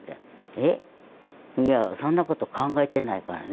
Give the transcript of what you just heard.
えっいやそんなこと考えてないからね